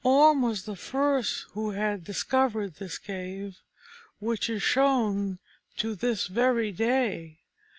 Orm was the first who had discovered this cave, which is shown to this very day.